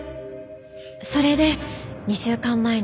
それで２週間前に。